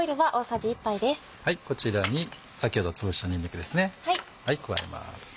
こちらに先ほどつぶしたにんにくですね加えます。